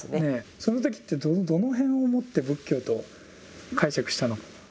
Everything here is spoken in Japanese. その時ってどの辺をもって仏教と解釈したのか？